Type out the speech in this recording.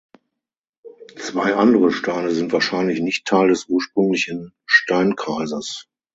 Zwei andere Steine sind wahrscheinlich nicht Teil des ursprünglichen Steinkreises.